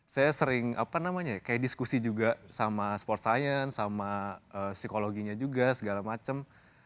saya sering apa namanya kayak diskusi juga sama sports science sama psikologinya juga segala macem